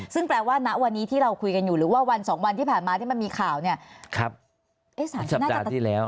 ซึ่งแปลว่าณวันนี้ที่เราคุยกันอยู่หรือว่าวันสองวันที่ผ่านมาที่มันมีข่าวเนี่ยสารก็น่าจะตัดที่แล้ว